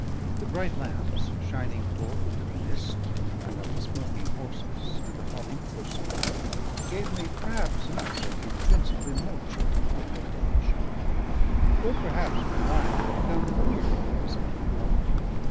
The bright lamps, shining forth into the mist and on the smoking horses and the hodding post boy, gave me perhaps an outlook intrinsically more cheerful than what day had shown; or perhaps my mind had become wearied of its melancholy.